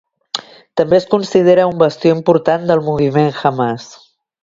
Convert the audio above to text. També es considera un bastió important del moviment Hamàs.